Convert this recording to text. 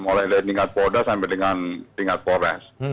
mulai dari tingkat poda sampai tingkat forest